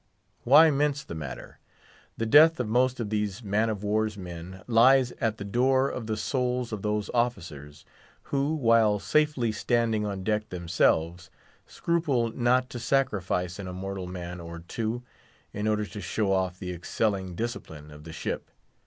Why mince the matter? The death of most of these man of war's men lies at the door of the souls of those officers, who, while safely standing on deck themselves, scruple not to sacrifice an immortal man or two, in order to show off the excelling discipline of the ship.